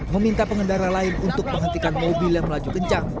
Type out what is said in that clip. meminta pengendara lain untuk menghentikan mobil yang melaju kencang